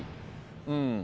うん。